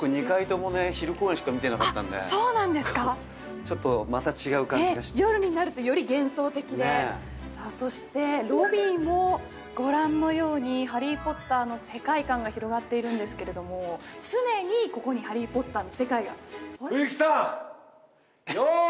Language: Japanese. ねっ僕あっそうなんですかちょっとまた違う感じがしてでさあそしてロビーもご覧のようにハリー・ポッターの世界観が広がっているんですけれども常にここにハリー・ポッターの世界があれ？